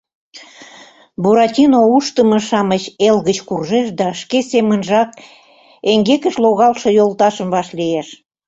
Буратино Ушдымо-шамыч Эл гыч куржеш да шке семынжак эҥгекыш логалше йолташым вашлиеш.